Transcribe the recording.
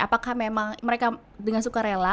apakah memang mereka dengan suka rela